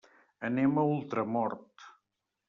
Anem a Ultramort.